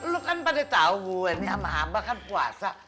lu kan pada tau gue nih sama abah kan puasa